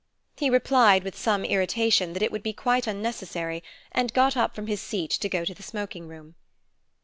He replied, with some irritation, that it would be quite unnecessary, and got up from his seat to go to the smoking room.